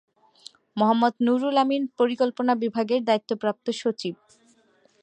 মোহাম্মদ নুরুল আমিন পরিকল্পনা বিভাগের দায়িত্বপ্রাপ্ত সচিব।